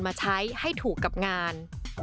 มาใช้ให้ถูกกับงาน